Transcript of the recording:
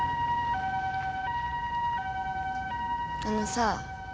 あのさ。